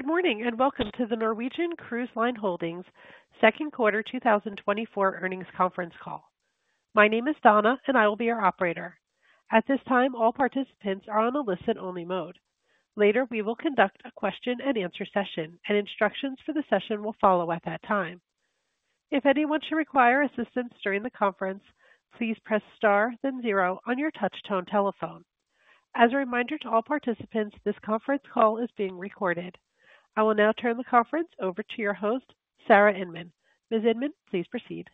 Good morning and welcome to the Norwegian Cruise Line Holdings' second quarter 2024 earnings conference call. My name is Donna, and I will be your operator. At this time, all participants are on a listen-only mode. Later, we will conduct a question-and-answer session, and instructions for the session will follow at that time. If anyone should require assistance during the conference, please press star then zero on your touch-tone telephone. As a reminder to all participants, this conference call is being recorded. I will now turn the conference over to your host, Sarah Inmon. Ms. Inmon, please proceed.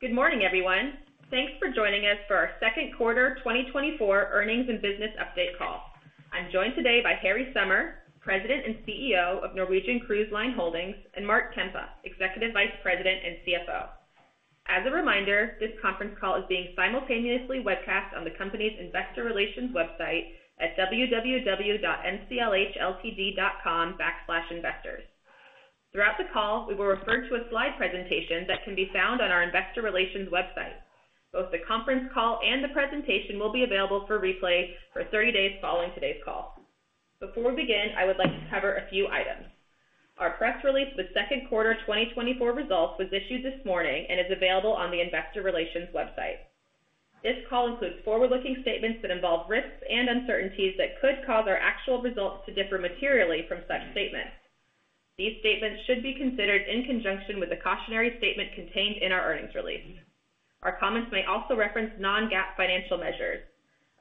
Good morning, everyone. Thanks for joining us for our second quarter 2024 earnings and business update call. I'm joined today by Harry Sommer, President and CEO of Norwegian Cruise Line Holdings, and Mark Kempa, Executive Vice President and CFO. As a reminder, this conference call is being simultaneously webcast on the company's investor relations website at www.nclhltd.com/investors. Throughout the call, we will refer to a slide presentation that can be found on our investor relations website. Both the conference call and the presentation will be available for replay for 30 days following today's call. Before we begin, I would like to cover a few items. Our press release with second quarter 2024 results was issued this morning and is available on the investor relations website. This call includes forward-looking statements that involve risks and uncertainties that could cause our actual results to differ materially from such statements. These statements should be considered in conjunction with the cautionary statement contained in our earnings release. Our comments may also reference non-GAAP financial measures.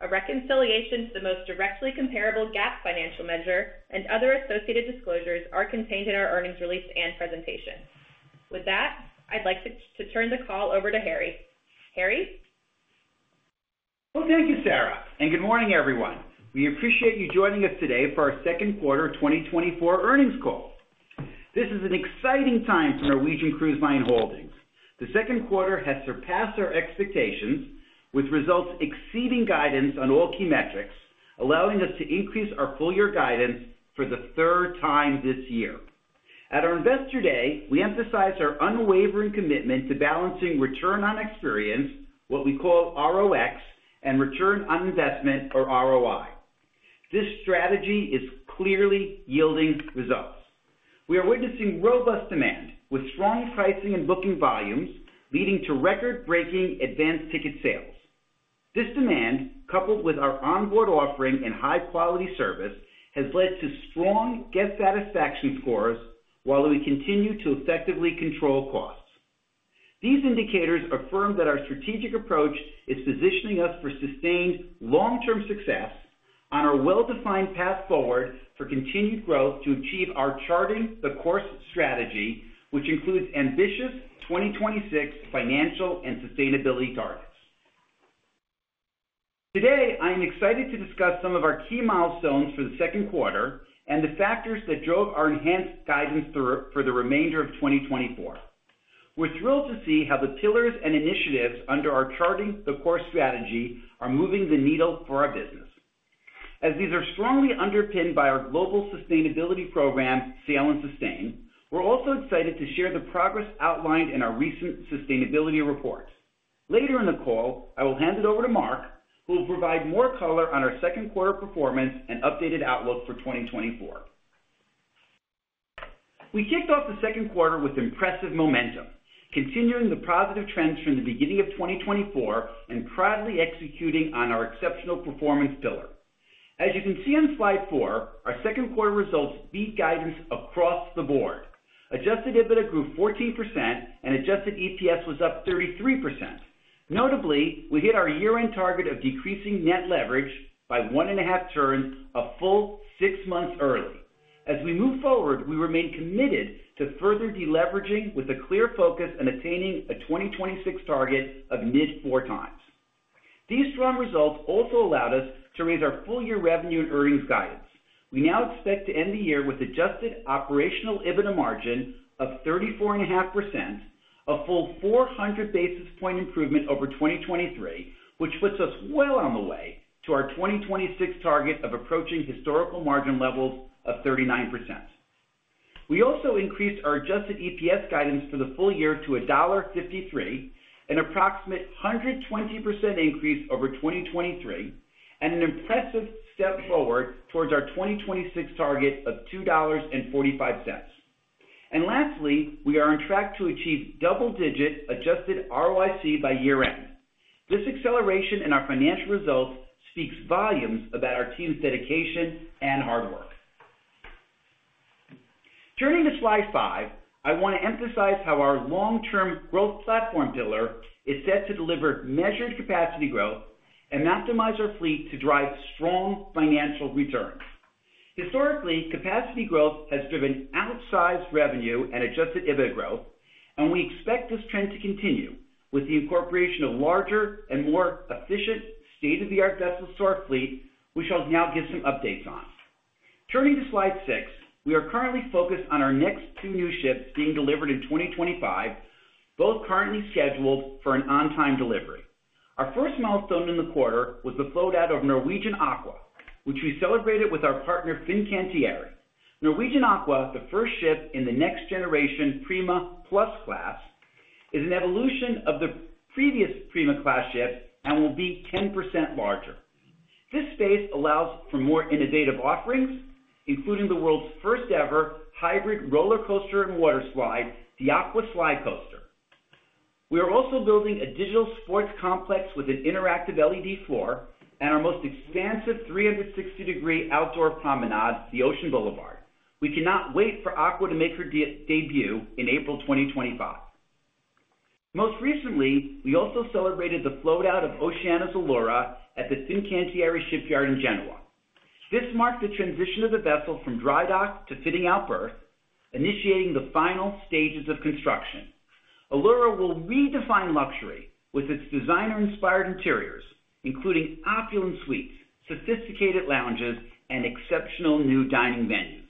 A reconciliation to the most directly comparable GAAP financial measure and other associated disclosures are contained in our earnings release and presentation. With that, I'd like to turn the call over to Harry. Harry? Well, thank you, Sarah, and good morning, everyone. We appreciate you joining us today for our second quarter 2024 earnings call. This is an exciting time for Norwegian Cruise Line Holdings. The second quarter has surpassed our expectations, with results exceeding guidance on all key metrics, allowing us to increase our full-year guidance for the third time this year. At our investor day, we emphasize our unwavering commitment to balancing return on experience, what we call ROX, and return on investment, or ROI. This strategy is clearly yielding results. We are witnessing robust demand, with strong pricing and booking volumes leading to record-breaking advance ticket sales. This demand, coupled with our onboard offering and high-quality service, has led to strong guest satisfaction scores while we continue to effectively control costs. These indicators affirm that our strategic approach is positioning us for sustained long-term success on our well-defined path forward for continued growth to achieve our Charting the Course strategy, which includes ambitious 2026 financial and sustainability targets. Today, I am excited to discuss some of our key milestones for the second quarter and the factors that drove our enhanced guidance for the remainder of 2024. We're thrilled to see how the pillars and initiatives under our Charting the Course strategy are moving the needle for our business. As these are strongly underpinned by our global sustainability program, Sail & Sustain, we're also excited to share the progress outlined in our recent sustainability report. Later in the call, I will hand it over to Mark, who will provide more color on our second quarter performance and updated outlook for 2024. We kicked off the second quarter with impressive momentum, continuing the positive trends from the beginning of 2024 and proudly executing on our exceptional performance pillar. As you can see on slide 4, our second quarter results beat guidance across the board. Adjusted EBITDA grew 14%, and adjusted EPS was up 33%. Notably, we hit our year-end target of decreasing net leverage by 1.5 turns, a full six months early. As we move forward, we remain committed to further deleveraging with a clear focus on attaining a 2026 target of mid-4 times. These strong results also allowed us to raise our full-year revenue and earnings guidance. We now expect to end the year with adjusted operational EBITDA margin of 34.5%, a full 400 basis points improvement over 2023, which puts us well on the way to our 2026 target of approaching historical margin levels of 39%. We also increased our adjusted EPS guidance for the full year to $1.53, an approximate 120% increase over 2023, and an impressive step forward towards our 2026 target of $2.45. And lastly, we are on track to achieve double-digit adjusted ROIC by year-end. This acceleration in our financial results speaks volumes about our team's dedication and hard work. Turning to slide five, I want to emphasize how our long-term growth platform pillar is set to deliver measured capacity growth and optimize our fleet to drive strong financial returns. Historically, capacity growth has driven outsized revenue and adjusted EBITDA growth, and we expect this trend to continue with the incorporation of larger and more efficient state-of-the-art vessels to our fleet, which I'll now give some updates on. Turning to slide 6, we are currently focused on our next two new ships being delivered in 2025, both currently scheduled for an on-time delivery. Our first milestone in the quarter was the float-out of Norwegian Aqua, which we celebrated with our partner Fincantieri. Norwegian Aqua, the first ship in the next-generation Prima Plus class, is an evolution of the previous Prima-class ship and will be 10% larger. This space allows for more innovative offerings, including the world's first-ever hybrid roller coaster and water slide, the Aqua Slidecoaster. We are also building a digital sports complex with an interactive LED floor and our most expansive 360-degree outdoor promenade, the Ocean Boulevard. We cannot wait for Aqua to make her debut in April 2025. Most recently, we also celebrated the float-out of Oceania's Allura at the Fincantieri shipyard in Genoa. This marked the transition of the vessel from Dry Dock to fitting out berth, initiating the final stages of construction. Allura will redefine luxury with its designer-inspired interiors, including opulent suites, sophisticated lounges, and exceptional new dining venues.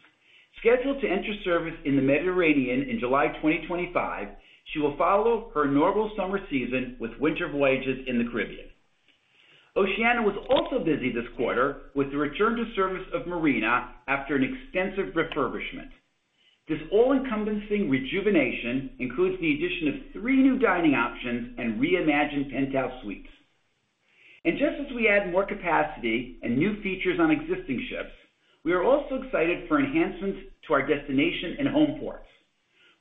Scheduled to enter service in the Mediterranean in July 2025, she will follow her normal summer season with winter voyages in the Caribbean. Oceania was also busy this quarter with the return to service of Marina after an extensive refurbishment. This all-encompassing rejuvenation includes the addition of three new dining options and reimagined penthouse suites. Just as we add more capacity and new features on existing ships, we are also excited for enhancements to our destination and home ports.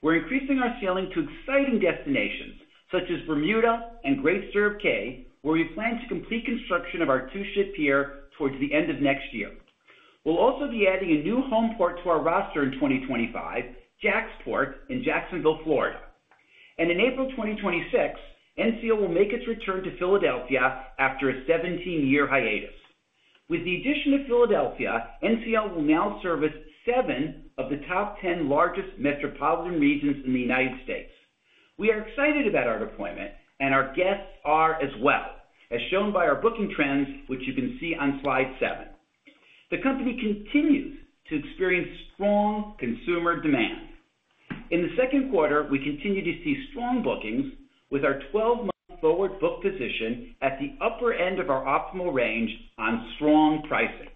We're increasing our sailing to exciting destinations such as Bermuda and Great Stirrup Cay, where we plan to complete construction of our two-ship pier towards the end of next year. We'll also be adding a new home port to our roster in 2025, JAXPORT in Jacksonville, Florida. In April 2026, NCL will make its return to Philadelphia after a 17-year hiatus. With the addition of Philadelphia, NCL will now service 7 of the top 10 largest metropolitan regions in the United States. We are excited about our deployment, and our guests are as well, as shown by our booking trends, which you can see on slide 7. The company continues to experience strong consumer demand. In the second quarter, we continue to see strong bookings with our 12-month forward book position at the upper end of our optimal range on strong pricing.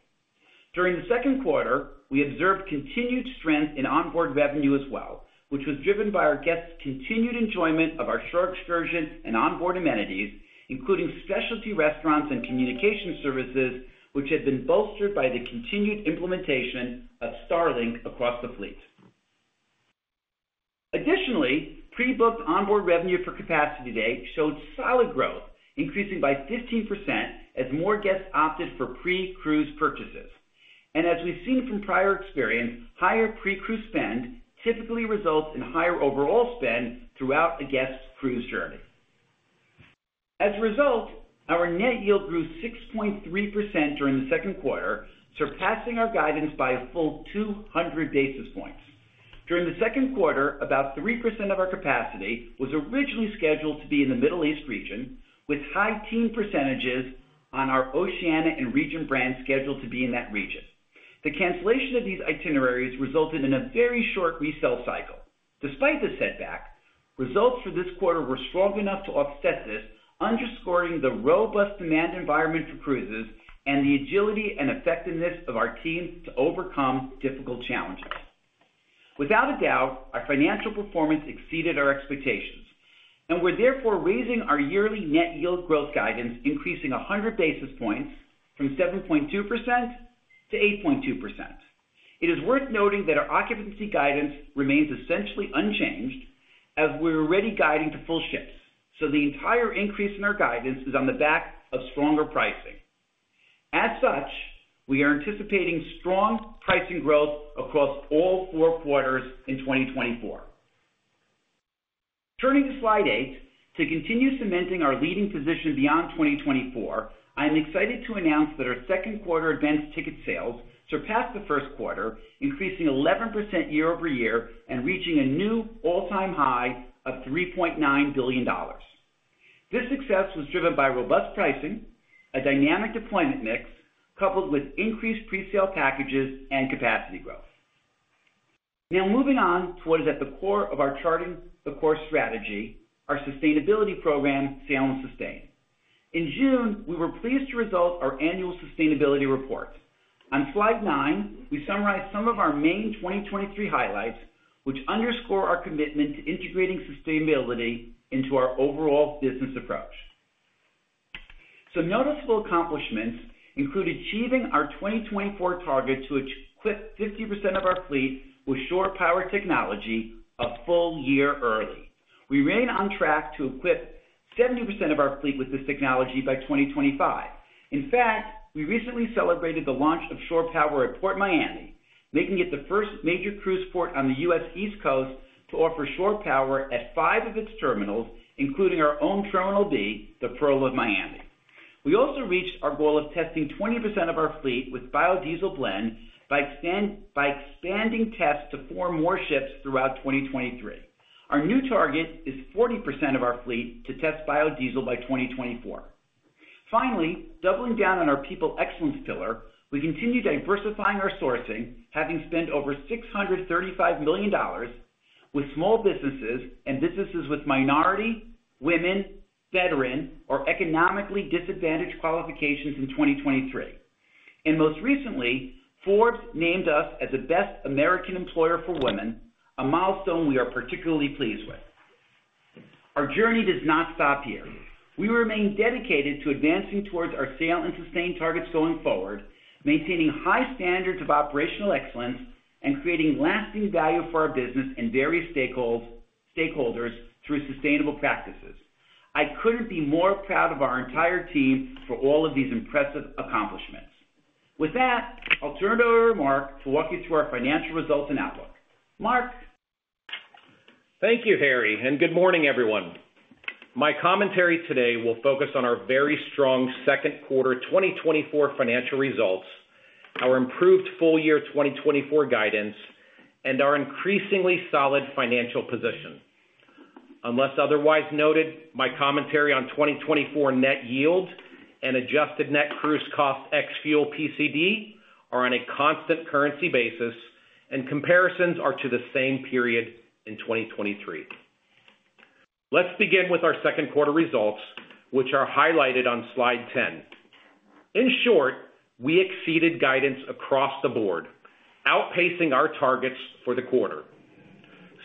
During the second quarter, we observed continued strength in onboard revenue as well, which was driven by our guests' continued enjoyment of our shore excursion and onboard amenities, including specialty restaurants and communication services, which had been bolstered by the continued implementation of Starlink across the fleet. Additionally, pre-booked onboard revenue for capacity day showed solid growth, increasing by 15% as more guests opted for pre-cruise purchases. As we've seen from prior experience, higher pre-cruise spend typically results in higher overall spend throughout a guest's cruise journey. As a result, our net yield grew 6.3% during the second quarter, surpassing our guidance by a full 200 basis points. During the second quarter, about 3% of our capacity was originally scheduled to be in the Middle East region, with high-teen percentages on our Oceania and Regent brands scheduled to be in that region. The cancellation of these itineraries resulted in a very short resale cycle. Despite the setback, results for this quarter were strong enough to offset this, underscoring the robust demand environment for cruises and the agility and effectiveness of our team to overcome difficult challenges. Without a doubt, our financial performance exceeded our expectations, and we're therefore raising our yearly net yield growth guidance, increasing 100 basis points from 7.2% to 8.2%. It is worth noting that our occupancy guidance remains essentially unchanged, as we're already guiding to full ships, so the entire increase in our guidance is on the back of stronger pricing. As such, we are anticipating strong pricing growth across all four quarters in 2024. Turning to slide 8, to continue cementing our leading position beyond 2024, I'm excited to announce that our second quarter advance ticket sales surpassed the first quarter, increasing 11% year over year and reaching a new all-time high of $3.9 billion. This success was driven by robust pricing, a dynamic deployment mix, coupled with increased presale packages and capacity growth. Now moving on to what is at the core of our Charting the Course strategy, our sustainability program, Sail & Sustain. In June, we were pleased to release our annual sustainability report. On slide 9, we summarize some of our main 2023 highlights, which underscore our commitment to integrating sustainability into our overall business approach. Some noticeable accomplishments include achieving our 2024 target to equip 50% of our fleet with shore power technology a full year early. We remain on track to equip 70% of our fleet with this technology by 2025. In fact, we recently celebrated the launch of Shore Power at PortMiami, making it the first major cruise port on the U.S. East Coast to offer shore power at five of its terminals, including our own Terminal B, the Pearl of Miami. We also reached our goal of testing 20% of our fleet with biodiesel blend by expanding tests to four more ships throughout 2023. Our new target is 40% of our fleet to test biodiesel by 2024. Finally, doubling down on our People Excellence pillar, we continue diversifying our sourcing, having spent over $635 million with small businesses and businesses with minority, women, veteran, or economically disadvantaged qualifications in 2023. Most recently, Forbes named us as a Best American Employer for Women, a milestone we are particularly pleased with. Our journey does not stop here. We remain dedicated to advancing towards our Sail & Sustain targets going forward, maintaining high standards of operational excellence, and creating lasting value for our business and various stakeholders through sustainable practices. I couldn't be more proud of our entire team for all of these impressive accomplishments. With that, I'll turn it over to Mark to walk you through our financial results and outlook. Mark. Thank you, Harry, and good morning, everyone. My commentary today will focus on our very strong second quarter 2024 financial results, our improved full-year 2024 guidance, and our increasingly solid financial position. Unless otherwise noted, my commentary on 2024 net yield and adjusted net cruise cost ex-fuel PCD are on a constant currency basis, and comparisons are to the same period in 2023. Let's begin with our second quarter results, which are highlighted on slide 10. In short, we exceeded guidance across the board, outpacing our targets for the quarter.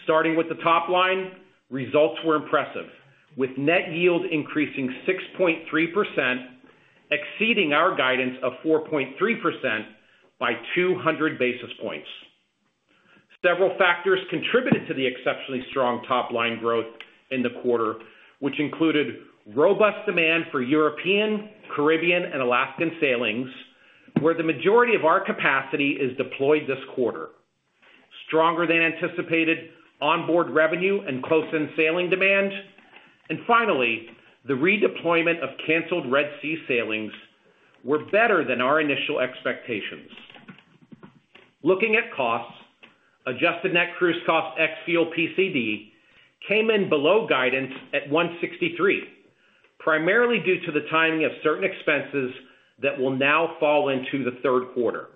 Starting with the top line, results were impressive, with net yield increasing 6.3%, exceeding our guidance of 4.3% by 200 basis points. Several factors contributed to the exceptionally strong top-line growth in the quarter, which included robust demand for European, Caribbean, and Alaskan sailings, where the majority of our capacity is deployed this quarter. Stronger than anticipated, onboard revenue and close-in sailing demand, and finally, the redeployment of canceled Red Sea sailings were better than our initial expectations. Looking at costs, adjusted net cruise cost ex-fuel PCD came in below guidance at $163, primarily due to the timing of certain expenses that will now fall into the third quarter.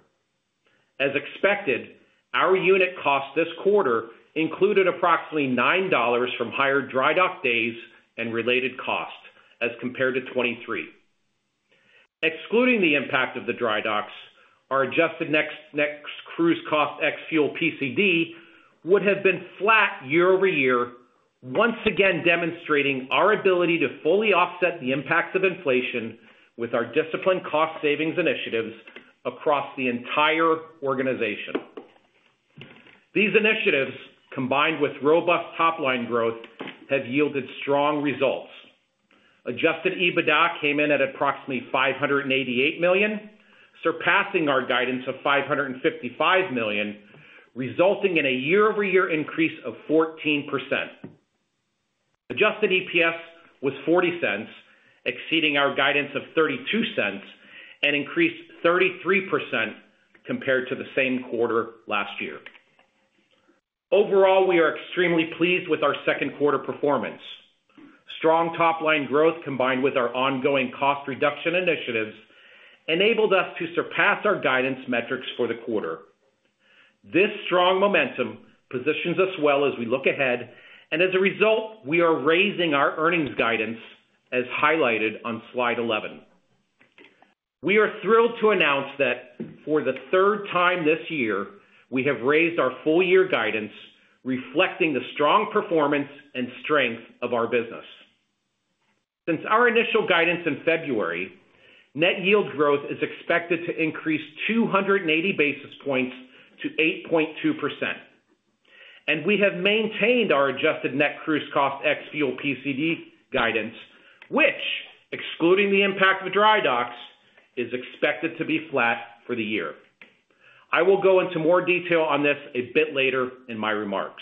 As expected, our unit cost this quarter included approximately $9 from hired dry dock days and related costs as compared to 2023. Excluding the impact of the dry docks, our adjusted net cruise cost ex-fuel PCD would have been flat year-over-year, once again demonstrating our ability to fully offset the impacts of inflation with our disciplined cost savings initiatives across the entire organization. These initiatives, combined with robust top-line growth, have yielded strong results. Adjusted EBITDA came in at approximately $588 million, surpassing our guidance of $555 million, resulting in a year-over-year increase of 14%. Adjusted EPS was $0.40, exceeding our guidance of $0.32 and increased 33% compared to the same quarter last year. Overall, we are extremely pleased with our second quarter performance. Strong top-line growth, combined with our ongoing cost reduction initiatives, enabled us to surpass our guidance metrics for the quarter. This strong momentum positions us well as we look ahead, and as a result, we are raising our earnings guidance, as highlighted on slide 11. We are thrilled to announce that for the third time this year, we have raised our full-year guidance, reflecting the strong performance and strength of our business. Since our initial guidance in February, net yield growth is expected to increase 280 basis points to 8.2%. We have maintained our adjusted net cruise cost ex-fuel PCD guidance, which, excluding the impact of dry docks, is expected to be flat for the year. I will go into more detail on this a bit later in my remarks.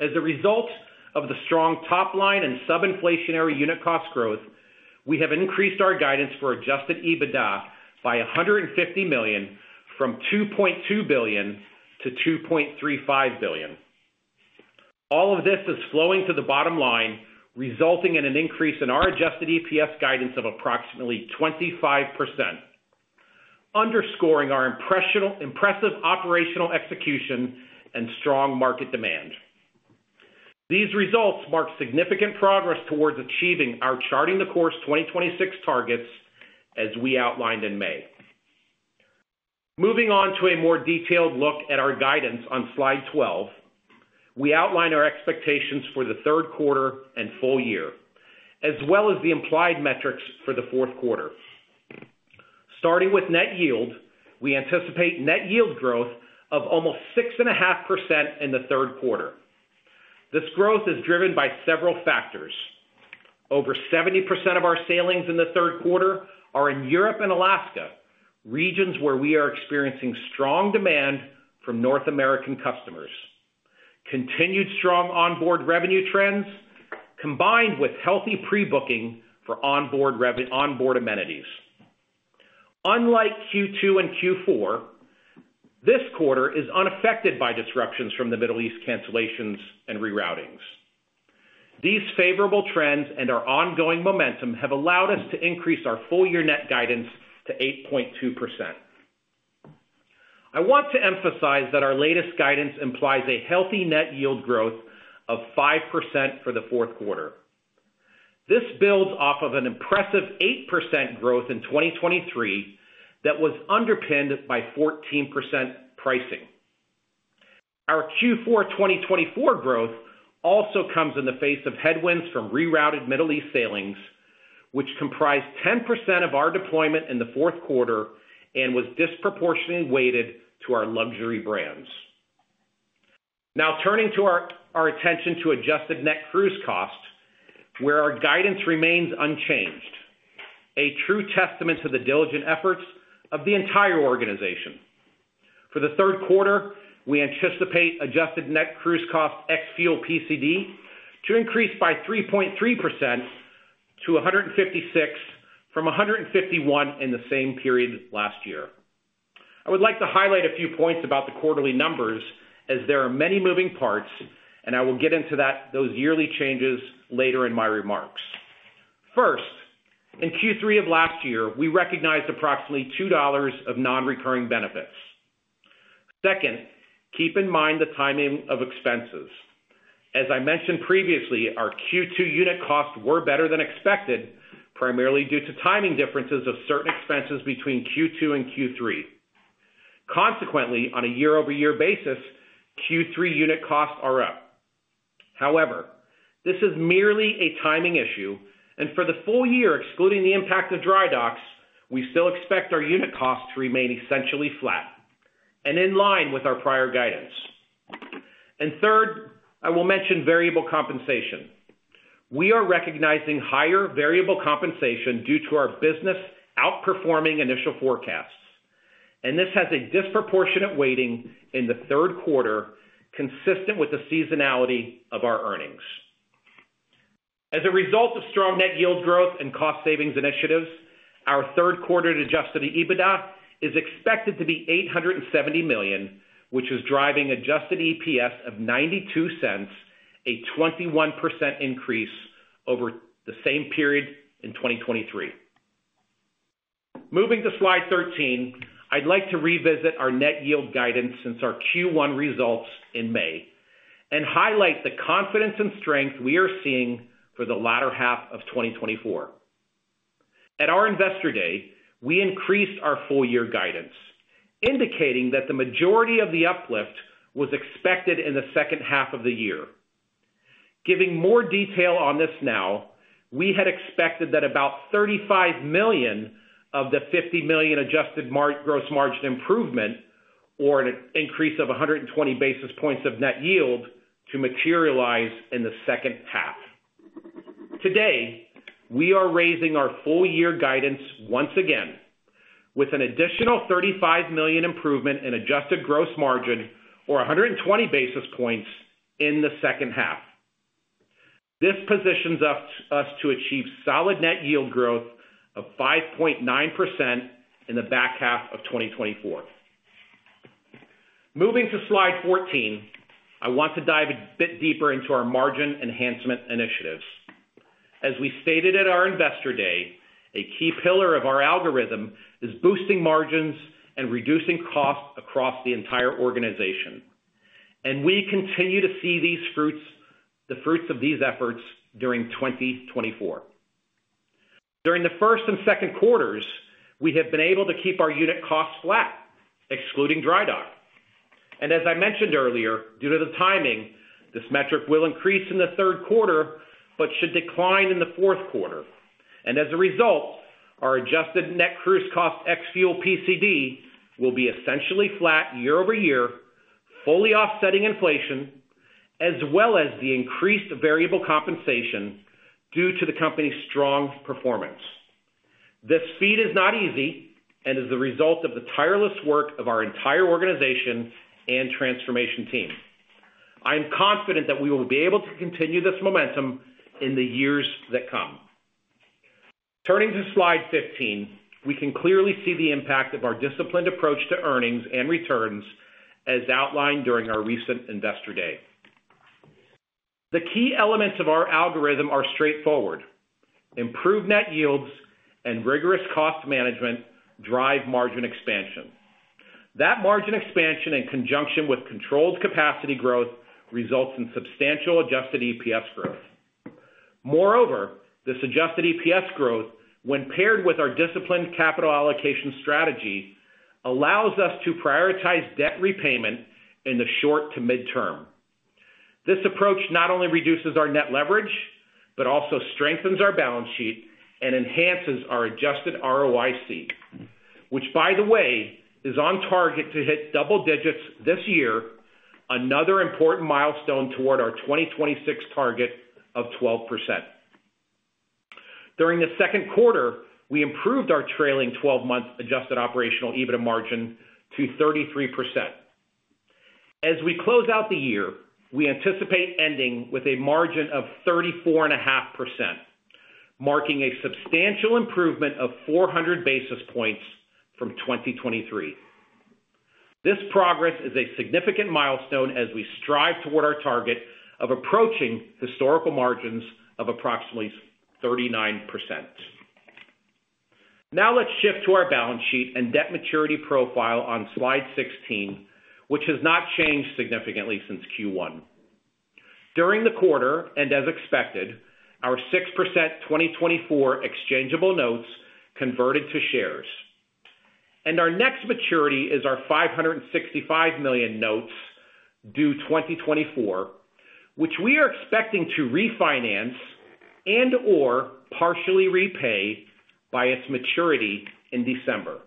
As a result of the strong top-line and sub-inflationary unit cost growth, we have increased our guidance for Adjusted EBITDA by $150 million from $2.2 billion-$2.35 billion. All of this is flowing to the bottom line, resulting in an increase in our Adjusted EPS guidance of approximately 25%, underscoring our impressive operational execution and strong market demand. These results mark significant progress towards achieving our Charting the Course 2026 targets, as we outlined in May. Moving on to a more detailed look at our guidance on slide 12, we outline our expectations for the third quarter and full year, as well as the implied metrics for the fourth quarter. Starting with Net Yield, we anticipate Net Yield growth of almost 6.5% in the third quarter. This growth is driven by several factors. Over 70% of our sailings in the third quarter are in Europe and Alaska, regions where we are experiencing strong demand from North American customers. Continued strong onboard revenue trends combined with healthy pre-booking for onboard amenities. Unlike Q2 and Q4, this quarter is unaffected by disruptions from the Middle East cancellations and reroutings. These favorable trends and our ongoing momentum have allowed us to increase our full-year net guidance to 8.2%. I want to emphasize that our latest guidance implies a healthy net yield growth of 5% for the fourth quarter. This builds off of an impressive 8% growth in 2023 that was underpinned by 14% pricing. Our Q4 2024 growth also comes in the face of headwinds from rerouted Middle East sailings, which comprised 10% of our deployment in the fourth quarter and was disproportionately weighted to our luxury brands. Now turning our attention to adjusted net cruise cost, where our guidance remains unchanged, a true testament to the diligent efforts of the entire organization. For the third quarter, we anticipate adjusted net cruise cost ex-fuel PCD to increase by 3.3% to $156 from $151 in the same period last year. I would like to highlight a few points about the quarterly numbers, as there are many moving parts, and I will get into those yearly changes later in my remarks. First, in Q3 of last year, we recognized approximately $2 of non-recurring benefits. Second, keep in mind the timing of expenses. As I mentioned previously, our Q2 unit costs were better than expected, primarily due to timing differences of certain expenses between Q2 and Q3. Consequently, on a year-over-year basis, Q3 unit costs are up. However, this is merely a timing issue, and for the full year, excluding the impact of dry docks, we still expect our unit costs to remain essentially flat and in line with our prior guidance. Third, I will mention variable compensation. We are recognizing higher variable compensation due to our business outperforming initial forecasts, and this has a disproportionate weighting in the third quarter, consistent with the seasonality of our earnings. As a result of strong net yield growth and cost savings initiatives, our third-quarter adjusted EBITDA is expected to be $870 million, which is driving adjusted EPS of $0.92, a 21% increase over the same period in 2023. Moving to slide 13, I'd like to revisit our net yield guidance since our Q1 results in May and highlight the confidence and strength we are seeing for the latter half of 2024. At our investor day, we increased our full-year guidance, indicating that the majority of the uplift was expected in the second half of the year. Giving more detail on this now, we had expected that about $35 million of the $50 million adjusted gross margin improvement, or an increase of 120 basis points of net yield, to materialize in the second half. Today, we are raising our full-year guidance once again, with an additional $35 million improvement in adjusted gross margin, or 120 basis points, in the second half. This positions us to achieve solid net yield growth of 5.9% in the back half of 2024. Moving to slide 14, I want to dive a bit deeper into our margin enhancement initiatives. As we stated at our investor day, a key pillar of our algorithm is boosting margins and reducing costs across the entire organization. We continue to see the fruits of these efforts during 2024. During the first and second quarters, we have been able to keep our unit costs flat, excluding dry dock. As I mentioned earlier, due to the timing, this metric will increase in the third quarter but should decline in the fourth quarter. As a result, our adjusted net cruise cost ex-fuel PCD will be essentially flat year-over-year, fully offsetting inflation, as well as the increased variable compensation due to the company's strong performance. This feat is not easy and is the result of the tireless work of our entire organization and transformation team. I am confident that we will be able to continue this momentum in the years that come. Turning to slide 15, we can clearly see the impact of our disciplined approach to earnings and returns, as outlined during our recent investor day. The key elements of our algorithm are straightforward. Improved net yields and rigorous cost management drive margin expansion. That margin expansion, in conjunction with controlled capacity growth, results in substantial adjusted EPS growth. Moreover, this adjusted EPS growth, when paired with our disciplined capital allocation strategy, allows us to prioritize debt repayment in the short to midterm. This approach not only reduces our net leverage but also strengthens our balance sheet and enhances our adjusted ROIC, which, by the way, is on target to hit double digits this year, another important milestone toward our 2026 target of 12%. During the second quarter, we improved our trailing 12-month adjusted operational EBITDA margin to 33%. As we close out the year, we anticipate ending with a margin of 34.5%, marking a substantial improvement of 400 basis points from 2023. This progress is a significant milestone as we strive toward our target of approaching historical margins of approximately 39%. Now let's shift to our balance sheet and debt maturity profile on slide 16, which has not changed significantly since Q1. During the quarter, and as expected, our 6% 2024 exchangeable notes converted to shares. Our next maturity is our $565 million notes due 2024, which we are expecting to refinance and/or partially repay by its maturity in December.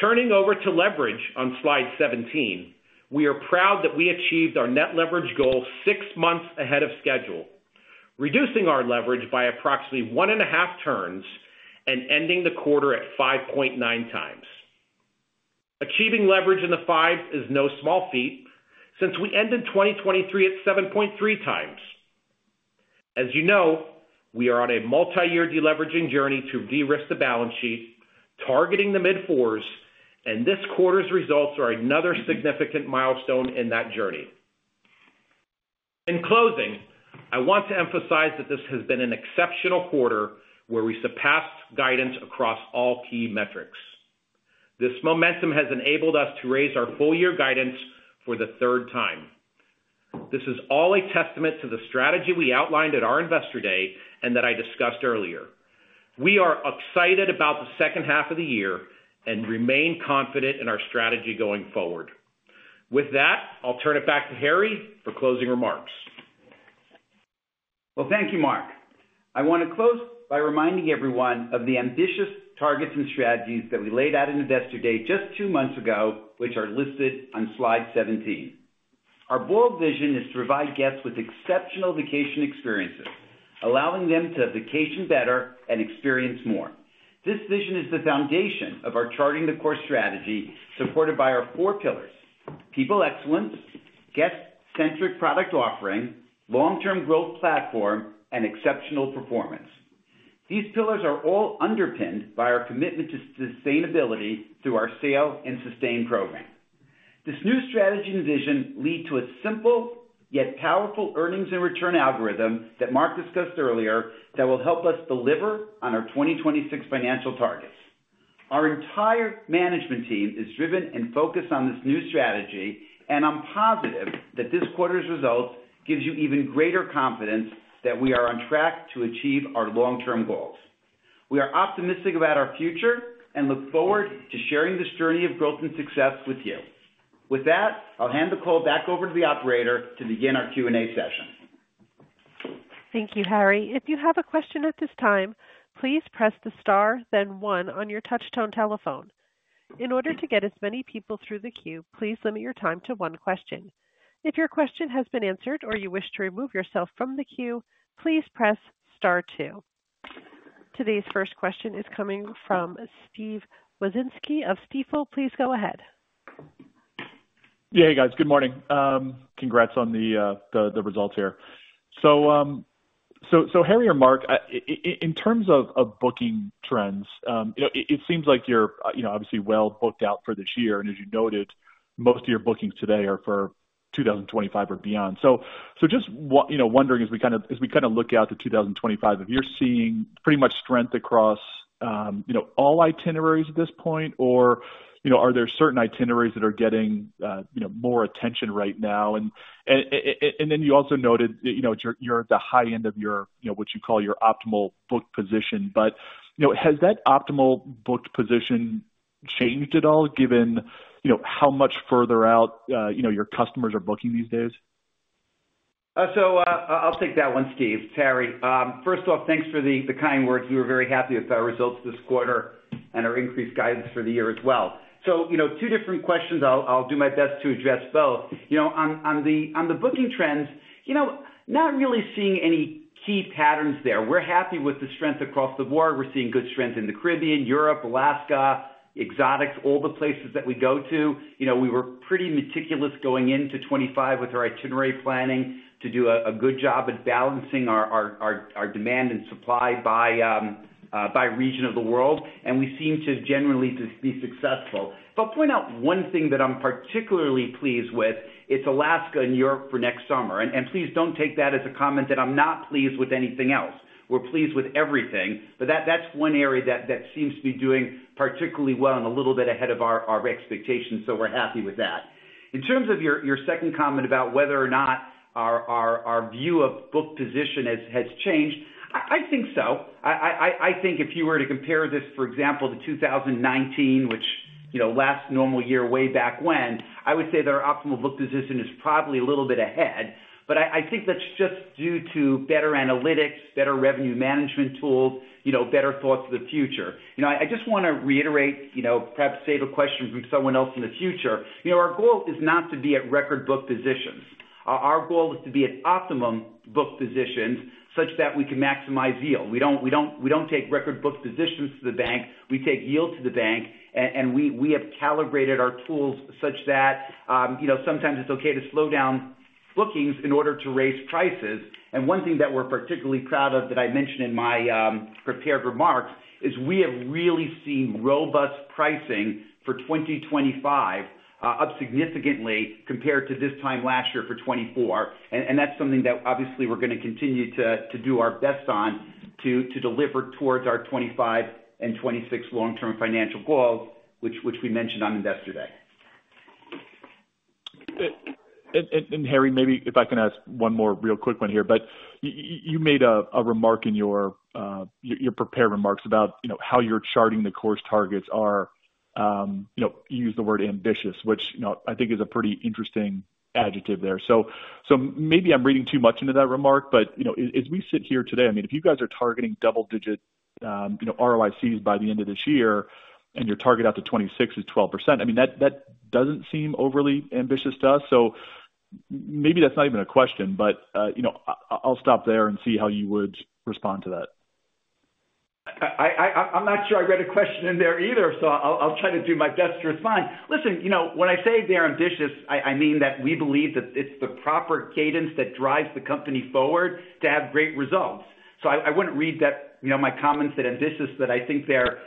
Turning over to leverage on slide 17, we are proud that we achieved our net leverage goal six months ahead of schedule, reducing our leverage by approximately 1.5 turns and ending the quarter at 5.9x. Achieving leverage in the fives is no small feat since we ended 2023 at 7.3x. As you know, we are on a multi-year deleveraging journey to de-risk the balance sheet, targeting the mid-fours, and this quarter's results are another significant milestone in that journey. In closing, I want to emphasize that this has been an exceptional quarter where we surpassed guidance across all key metrics. This momentum has enabled us to raise our full-year guidance for the third time. This is all a testament to the strategy we outlined at our investor day and that I discussed earlier. We are excited about the second half of the year and remain confident in our strategy going forward. With that, I'll turn it back to Harry for closing remarks. Well, thank you, Mark. I want to close by reminding everyone of the ambitious targets and strategies that we laid out in investor day just two months ago, which are listed on slide 17. Our bold vision is to provide guests with exceptional vacation experiences, allowing them to vacation better and experience more. This vision is the foundation of our Charting the Course strategy, supported by our four pillars: people excellence, guest-centric product offering, long-term growth platform, and exceptional performance. These pillars are all underpinned by our commitment to sustainability through our Sail & Sustain program. This new strategy and vision lead to a simple yet powerful earnings and return algorithm that Mark discussed earlier that will help us deliver on our 2026 financial targets. Our entire management team is driven and focused on this new strategy, and I'm positive that this quarter's results give you even greater confidence that we are on track to achieve our long-term goals. We are optimistic about our future and look forward to sharing this journey of growth and success with you. With that, I'll hand the call back over to the operator to begin our Q&A session. Thank you, Harry. If you have a question at this time, please press the star, then one on your touch-tone telephone. In order to get as many people through the queue, please limit your time to one question. If your question has been answered or you wish to remove yourself from the queue, please press star two. Today's first question is coming from Steve Wieczynski of Stifel. Please go ahead. Yeah, hey guys, good morning. Congrats on the results here. So Harry or Mark, in terms of booking trends, it seems like you're obviously well booked out for this year. And as you noted, most of your bookings today are for 2025 or beyond. So just wondering, as we kind of look out to 2025, if you're seeing pretty much strength across all itineraries at this point, or are there certain itineraries that are getting more attention right now? Then you also noted you're at the high end of what you call your optimal booked position. Has that optimal booked position changed at all, given how much further out your customers are booking these days? I'll take that one, Steve. Harry, first off, thanks for the kind words. We were very happy with our results this quarter and our increased guidance for the year as well. Two different questions. I'll do my best to address both. On the booking trends, not really seeing any key patterns there. We're happy with the strength across the board. We're seeing good strength in the Caribbean, Europe, Alaska, exotics, all the places that we go to. We were pretty meticulous going into 2025 with our itinerary planning to do a good job at balancing our demand and supply by region of the world. We seem to generally be successful. But point out one thing that I'm particularly pleased with: it's Alaska and Europe for next summer. And please don't take that as a comment that I'm not pleased with anything else. We're pleased with everything. But that's one area that seems to be doing particularly well and a little bit ahead of our expectations. So we're happy with that. In terms of your second comment about whether or not our view of booked position has changed, I think so. I think if you were to compare this, for example, to 2019, which last normal year way back when, I would say that our optimal booked position is probably a little bit ahead. But I think that's just due to better analytics, better revenue management tools, better thoughts of the future. I just want to reiterate, perhaps save a question from someone else in the future. Our goal is not to be at record booked positions. Our goal is to be at optimum booked positions such that we can maximize yield. We don't take record booked positions to the bank. We take yield to the bank. And we have calibrated our tools such that sometimes it's okay to slow down bookings in order to raise prices. And one thing that we're particularly proud of that I mentioned in my prepared remarks is we have really seen robust pricing for 2025 up significantly compared to this time last year for 2024. And that's something that obviously we're going to continue to do our best on to deliver towards our 2025 and 2026 long-term financial goals, which we mentioned on investor day. And Harry, maybe if I can ask one more real quick one here. But you made a remark in your prepared remarks about how your Charting the Course targets are—you used the word ambitious, which I think is a pretty interesting adjective there. So maybe I'm reading too much into that remark. But as we sit here today, I mean, if you guys are targeting double-digit ROICs by the end of this year and your target out to 2026 is 12%, I mean, that doesn't seem overly ambitious to us. So maybe that's not even a question. But I'll stop there and see how you would respond to that. I'm not sure I read a question in there either. So I'll try to do my best to respond. Listen, when I say they're ambitious, I mean that we believe that it's the proper cadence that drives the company forward to have great results. So I wouldn't read my comments that ambitious, that I think they're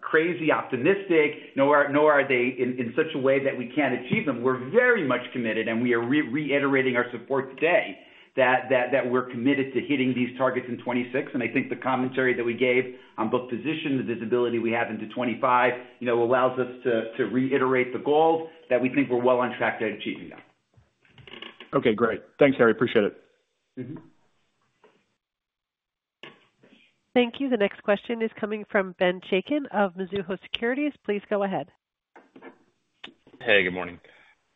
crazy optimistic, nor are they in such a way that we can't achieve them. We're very much committed. And we are reiterating our support today that we're committed to hitting these targets in 2026. And I think the commentary that we gave on booked position, the visibility we have into 2025, allows us to reiterate the goals that we think we're well on track to achieving them. Okay, great. Thanks, Harry. Appreciate it. Thank you. The next question is coming from Ben Chaiken of Mizuho Securities. Please go ahead. Hey, good morning.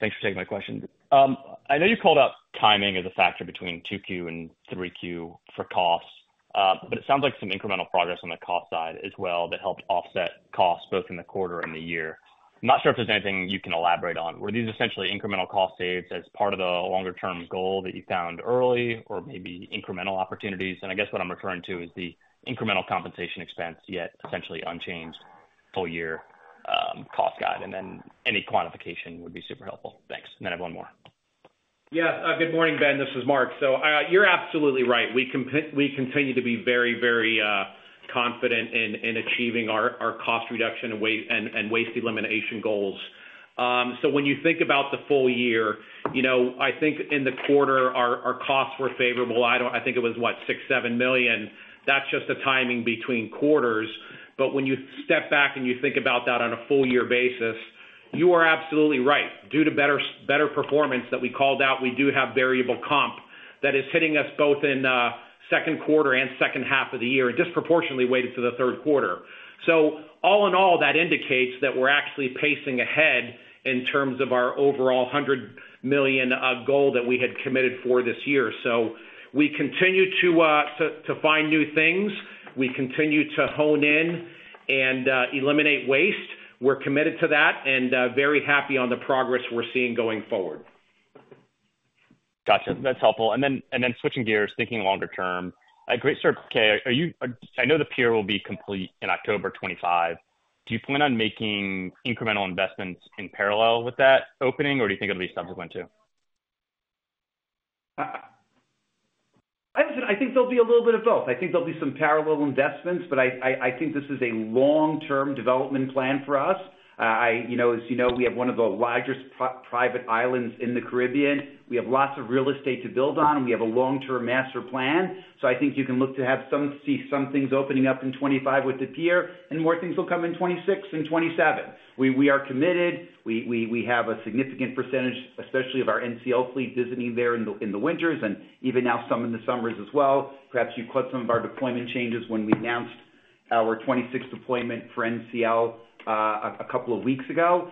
Thanks for taking my question. I know you called out timing as a factor between 2Q and 3Q for costs. But it sounds like some incremental progress on the cost side as well that helped offset costs both in the quarter and the year. I'm not sure if there's anything you can elaborate on. Were these essentially incremental cost savings as part of the longer-term goal that you found early, or maybe incremental opportunities? And I guess what I'm referring to is the incremental compensation expense, yet essentially unchanged full-year cost guide. And then any quantification would be super helpful. Thanks. And then I have one more. Yeah. Good morning, Ben. This is Mark. So you're absolutely right. We continue to be very, very confident in achieving our cost reduction and waste elimination goals. So when you think about the full year, I think in the quarter, our costs were favorable. I think it was, what, $6 million-$7 million. That's just the timing between quarters. But when you step back and you think about that on a full-year basis, you are absolutely right. Due to better performance that we called out, we do have variable comp that is hitting us both in second quarter and second half of the year and disproportionately weighted to the third quarter. So all in all, that indicates that we're actually pacing ahead in terms of our overall $100 million goal that we had committed for this year. So we continue to find new things. We continue to hone in and eliminate waste. We're committed to that and very happy on the progress we're seeing going forward. Gotcha. That's helpful. And then switching gears, thinking longer term, I know the pier will be complete in October 2025. Do you plan on making incremental investments in parallel with that opening, or do you think it'll be subsequent to? I think there'll be a little bit of both. I think there'll be some parallel investments. But I think this is a long-term development plan for us. As you know, we have one of the largest private islands in the Caribbean. We have lots of real estate to build on. We have a long-term master plan. So I think you can look to see some things opening up in 2025 with the pier, and more things will come in 2026 and 2027. We are committed. We have a significant percentage, especially of our NCL fleet, visiting there in the winters and even now some in the summers as well. Perhaps you caught some of our deployment changes when we announced our 2026 deployment for NCL a couple of weeks ago.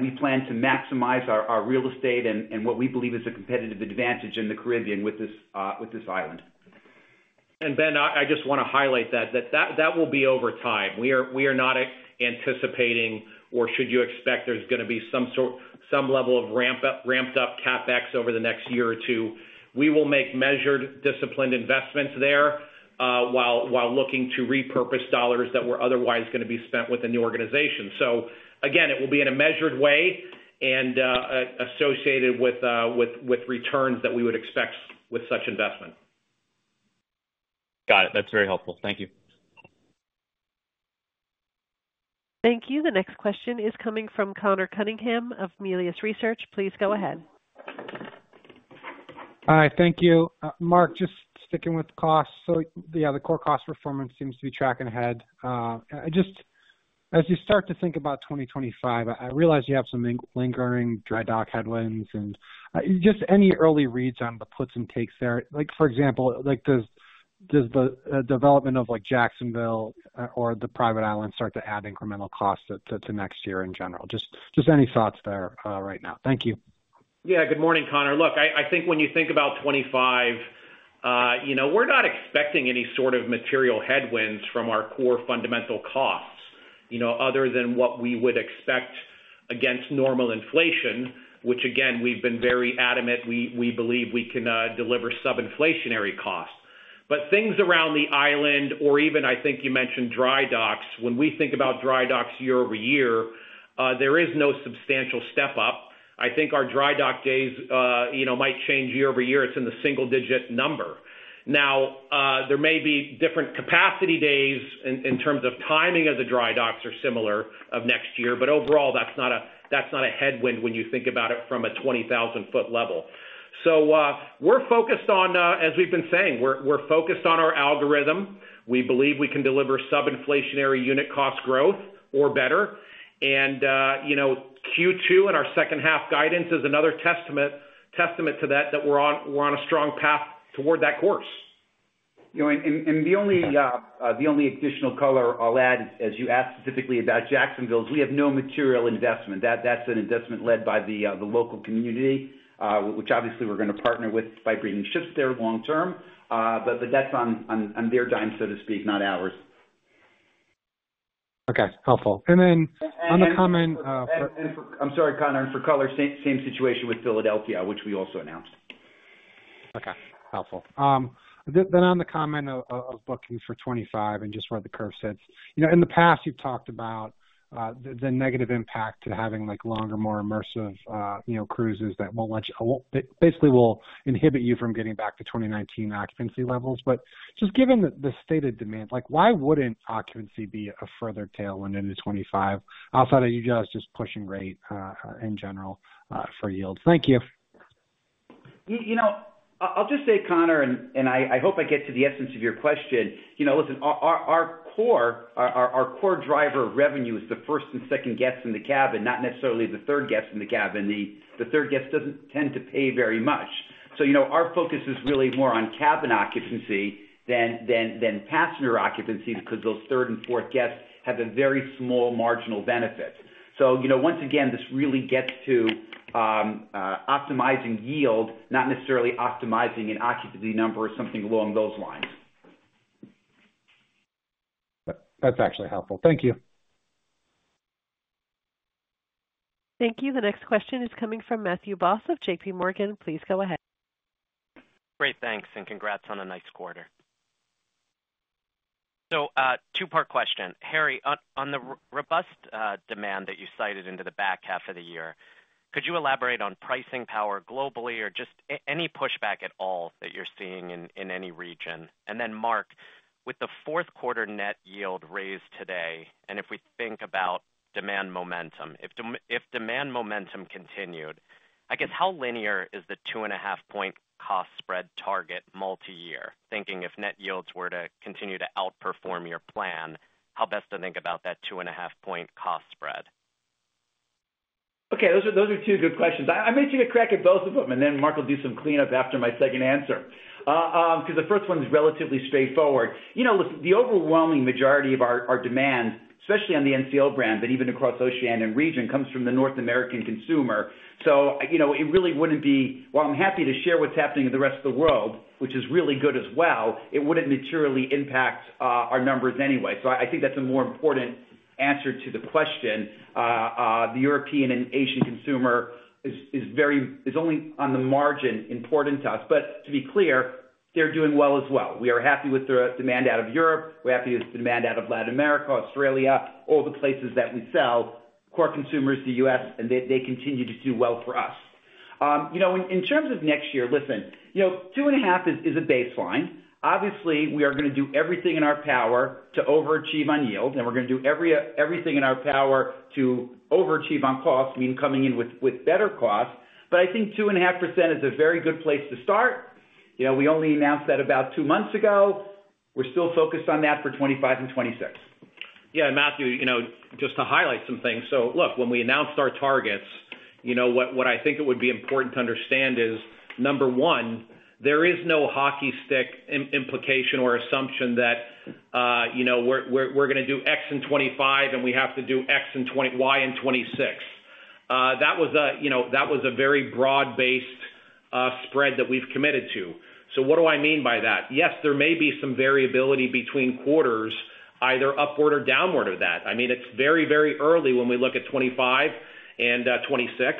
We plan to maximize our real estate and what we believe is a competitive advantage in the Caribbean with this island. Ben, I just want to highlight that that will be over time. We are not anticipating or should you expect there's going to be some level of ramped-up CapEx over the next year or two. We will make measured, disciplined investments there while looking to repurpose dollars that were otherwise going to be spent within the organization. So again, it will be in a measured way and associated with returns that we would expect with such investment. Got it. That's very helpful. Thank you. Thank you. The next question is coming from Conor Cunningham of Melius Research. Please go ahead. Hi. Thank you. Mark, just sticking with costs. So yeah, the core cost performance seems to be tracking ahead. Just as you start to think about 2025, I realize you have some lingering Dry Dock headwinds and just any early reads on the puts and takes there. For example, does the development of Jacksonville or the private island start to add incremental costs to next year in general? Just any thoughts there right now. Thank you. Yeah. Good morning, Conor. Look, I think when you think about 2025, we're not expecting any sort of material headwinds from our core fundamental costs other than what we would expect against normal inflation, which again, we've been very adamant we believe we can deliver sub-inflationary costs. But things around the island or even, I think you mentioned Dry Dock, when we think about Dry Dock year-over-year, there is no substantial step up. I think our Dry Dock days might change year-over-year. It's in the single-digit number. Now, there may be different capacity days in terms of timing of the Dry Dock or similar of next year. But overall, that's not a headwind when you think about it from a 20,000-foot level. So we're focused on, as we've been saying, we're focused on our algorithm. We believe we can deliver sub-inflationary unit cost growth or better. And Q2 and our second-half guidance is another testament to that, that we're on a strong path toward that course. And the only additional color I'll add, as you asked specifically about Jacksonville, is we have no material investment. That's an investment led by the local community, which obviously we're going to partner with by bringing ships there long-term. But that's on their dime, so to speak, not ours. Okay. Helpful. And then on the comment for—I'm sorry, Conor. And for color, same situation with Philadelphia, which we also announced. Okay. Helpful. Then on the comment of booking for 2025 and just where the curve sits, in the past, you've talked about the negative impact to having longer, more immersive cruises that won't let you—basically, will inhibit you from getting back to 2019 occupancy levels. But just given the stated demand, why wouldn't occupancy be a further tailwind into 2025 outside of you guys just pushing rate in general for yields? Thank you. I'll just say, Connor, and I hope I get to the essence of your question. Listen, our core driver of revenue is the first and second guests in the cabin, not necessarily the third guest in the cabin. The third guest doesn't tend to pay very much. So our focus is really more on cabin occupancy than passenger occupancy because those third and fourth guests have a very small marginal benefit. So once again, this really gets to optimizing yield, not necessarily optimizing an occupancy number or something along those lines. That's actually helpful. Thank you. Thank you. The next question is coming from Matthew Boss of JPMorgan. Please go ahead. Great. Thanks. And congrats on a nice quarter. So two-part question. Harry, on the robust demand that you cited into the back half of the year, could you elaborate on pricing power globally or just any pushback at all that you're seeing in any region? And then Mark, with the fourth quarter net yield raised today and if we think about demand momentum, if demand momentum continued, I guess how linear is the 2.5-point cost spread target multi-year? Thinking if net yields were to continue to outperform your plan, how best to think about that 2.5-point cost spread? Okay. Those are two good questions. I'm making a crack at both of them. And then Mark will do some cleanup after my second answer because the first one's relatively straightforward. Listen, the overwhelming majority of our demand, especially on the NCL brand, but even across Oceania region, comes from the North American consumer. So it really wouldn't be. Well, I'm happy to share what's happening in the rest of the world, which is really good as well. It wouldn't materially impact our numbers anyway. So I think that's a more important answer to the question. The European and Asian consumer is only on the margin important to us. But to be clear, they're doing well as well. We are happy with the demand out of Europe. We're happy with the demand out of Latin America, Australia, all the places that we sell. Core consumer is the U.S., and they continue to do well for us. In terms of next year, listen, 2.5 is a baseline. Obviously, we are going to do everything in our power to overachieve on yield. And we're going to do everything in our power to overachieve on cost, meaning coming in with better costs. But I think 2.5% is a very good place to start. We only announced that about 2 months ago. We're still focused on that for 2025 and 2026. Yeah. And Matthew, just to highlight some things. So look, when we announced our targets, what I think it would be important to understand is, number one, there is no hockey stick implication or assumption that we're going to do X in 2025 and we have to do X and Y in 2026. That was a very broad-based spread that we've committed to. So what do I mean by that? Yes, there may be some variability between quarters, either upward or downward of that. I mean, it's very, very early when we look at 2025 and 2026.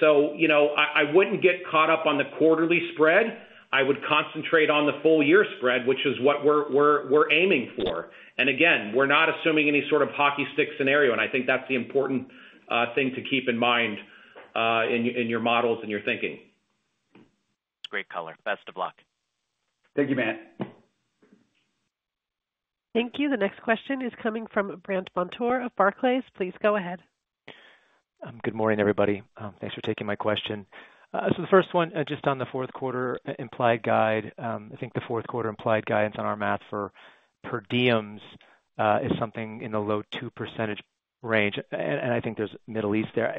So I wouldn't get caught up on the quarterly spread. I would concentrate on the full-year spread, which is what we're aiming for. And again, we're not assuming any sort of hockey stick scenario. And I think that's the important thing to keep in mind in your models and your thinking. That's great color. Best of luck. Thank you, Matt. Thank you. The next question is coming from Brandt Montour of Barclays. Please go ahead. Good morning, everybody. Thanks for taking my question. So the first one, just on the fourth quarter implied guide, I think the fourth quarter implied guidance on our math for per diems is something in the low 2% range. And I think there's Middle East there.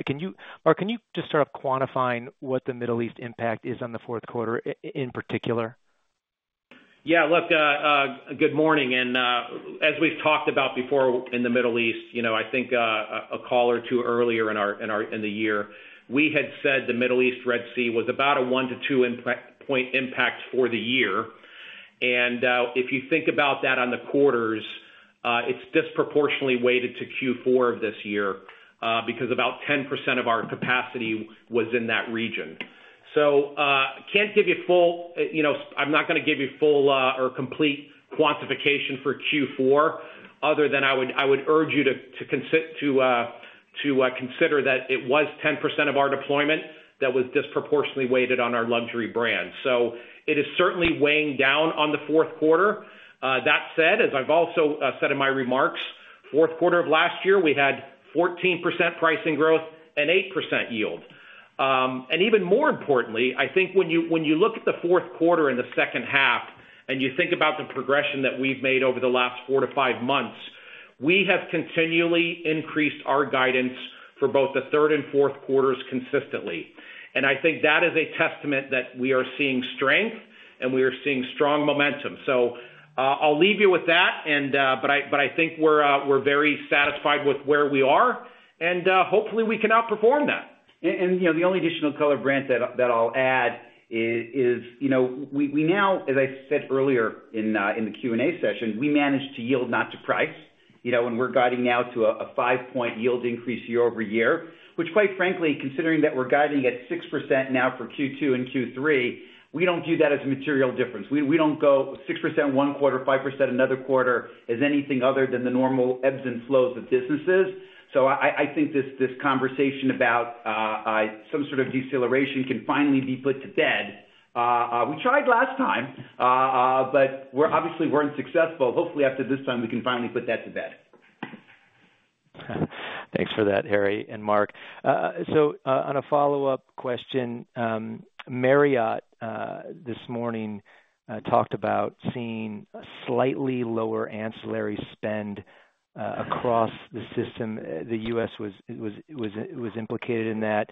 Mark, can you just start off quantifying what the Middle East impact is on the fourth quarter in particular? Yeah. Look, good morning. As we've talked about before in the Middle East, I think a call or two earlier in the year, we had said the Middle East Red Sea was about a 1-2-point impact for the year. If you think about that on the quarters, it's disproportionately weighted to Q4 of this year because about 10% of our capacity was in that region. So can't give you full—I'm not going to give you full or complete quantification for Q4, other than I would urge you to consider that it was 10% of our deployment that was disproportionately weighted on our luxury brand. So it is certainly weighing down on the fourth quarter. That said, as I've also said in my remarks, fourth quarter of last year, we had 14% pricing growth and 8% yield. Even more importantly, I think when you look at the fourth quarter and the second half and you think about the progression that we've made over the last four to five months, we have continually increased our guidance for both the third and fourth quarters consistently. And I think that is a testament that we are seeing strength and we are seeing strong momentum. So I'll leave you with that. But I think we're very satisfied with where we are. And hopefully, we can outperform that. And the only additional color, Brent, that I'll add is we now, as I said earlier in the Q&A session, we managed to yield not to price. We're guiding now to a 5-point yield increase year-over-year, which, quite frankly, considering that we're guiding at 6% now for Q2 and Q3, we don't view that as a material difference. We don't go 6% one quarter, 5% another quarter as anything other than the normal ebbs and flows of businesses. I think this conversation about some sort of deceleration can finally be put to bed. We tried last time, but obviously, we weren't successful. Hopefully, after this time, we can finally put that to bed. Thanks for that, Harry and Mark. On a follow-up question, Marriott this morning talked about seeing a slightly lower ancillary spend across the system. The U.S. was implicated in that.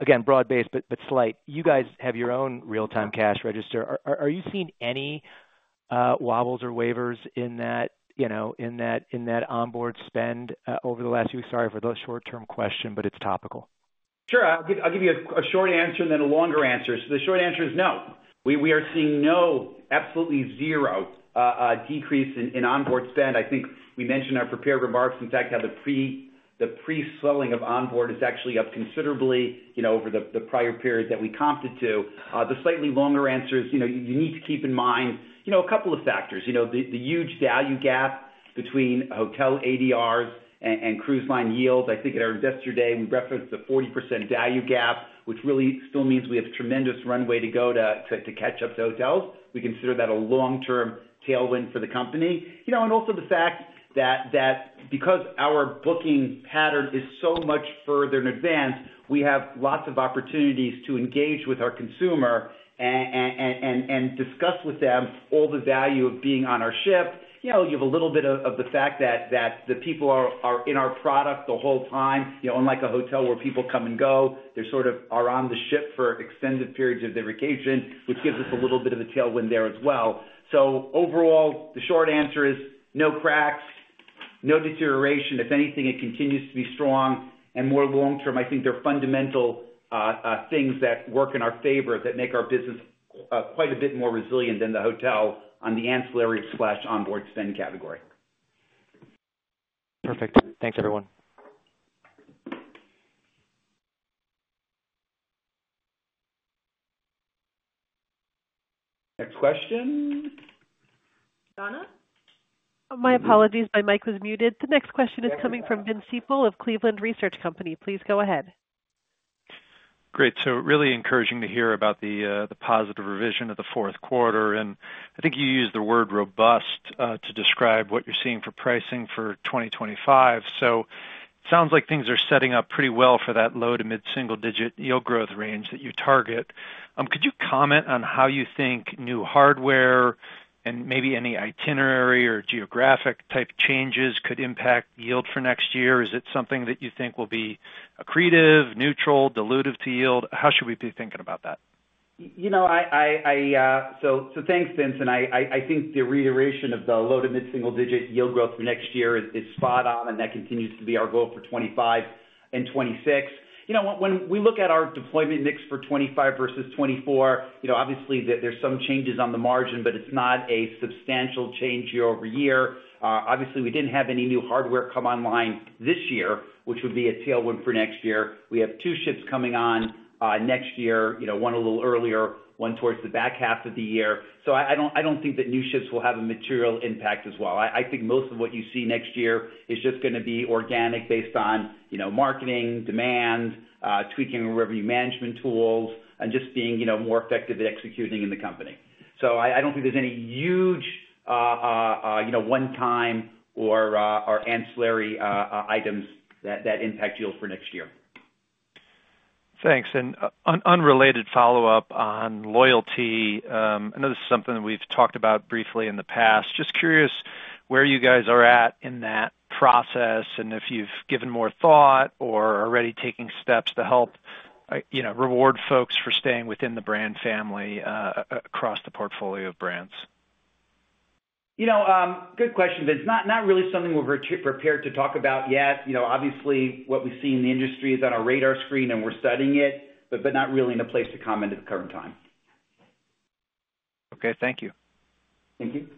Again, broad-based, but slight. You guys have your own real-time cash register. Are you seeing any wobbles or waivers in that onboard spend over the last few weeks? Sorry for the short-term question, but it's topical. Sure. I'll give you a short answer and then a longer answer. So the short answer is no. We are seeing no, absolutely zero decrease in onboard spend. I think we mentioned in our prepared remarks, in fact, how the pre-selling of onboard is actually up considerably over the prior period that we comped to. The slightly longer answer is you need to keep in mind a couple of factors. The huge value gap between hotel ADRs and cruise line yields. I think at our investor day, we referenced the 40% value gap, which really still means we have tremendous runway to go to catch up to hotels. We consider that a long-term tailwind for the company. And also the fact that because our booking pattern is so much further in advance, we have lots of opportunities to engage with our consumer and discuss with them all the value of being on our ship. You have a little bit of the fact that the people are in our product the whole time. Unlike a hotel where people come and go, they're sort of on the ship for extended periods of vacation, which gives us a little bit of a tailwind there as well. So overall, the short answer is no cracks, no deterioration. If anything, it continues to be strong. And more long-term, I think there are fundamental things that work in our favor that make our business quite a bit more resilient than the hotel on the ancillary/onboard spend category. Perfect. Thanks, everyone. Next question. Donna? My apologies. My mic was muted. The next question is coming from Vince Ciepiel of Cleveland Research Company. Please go ahead. Great. So really encouraging to hear about the positive revision of the fourth quarter. I think you used the word robust to describe what you're seeing for pricing for 2025. So it sounds like things are setting up pretty well for that low to mid-single-digit yield growth range that you target. Could you comment on how you think new hardware and maybe any itinerary or geographic-type changes could impact yield for next year? Is it something that you think will be accretive, neutral, dilutive to yield? How should we be thinking about that? So thanks, Vince. I think the reiteration of the low to mid-single-digit yield growth for next year is spot on. That continues to be our goal for 2025 and 2026. When we look at our deployment mix for 2025 versus 2024, obviously, there's some changes on the margin, but it's not a substantial change year over year. Obviously, we didn't have any new hardware come online this year, which would be a tailwind for next year. We have two ships coming on next year, one a little earlier, one towards the back half of the year. So I don't think that new ships will have a material impact as well. I think most of what you see next year is just going to be organic based on marketing, demand, tweaking revenue management tools, and just being more effective at executing in the company. So I don't think there's any huge one-time or ancillary items that impact yield for next year. Thanks. And an unrelated follow-up on loyalty. I know this is something that we've talked about briefly in the past. Just curious where you guys are at in that process and if you've given more thought or are already taking steps to help reward folks for staying within the brand family across the portfolio of brands. Good question, Vince. Not really something we're prepared to talk about yet. Obviously, what we see in the industry is on our radar screen, and we're studying it, but not really in a place to comment at the current time. Okay. Thank you. Thank you.